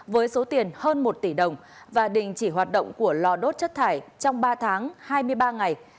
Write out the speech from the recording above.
với số tiền hơn một tỷ đồng và đình chỉ hoạt động của lò đốt chất thải trong ba tháng hai mươi ba ngày